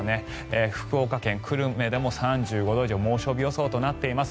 福岡県久留米でも３５度以上猛暑日予想となっています。